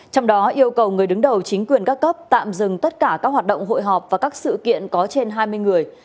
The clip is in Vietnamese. trong đó yêu cầu người đứng đầu chính quyền các cấp tạm dừng tất cả các hoạt động hội họp và các sự kiện có trên hai mươi người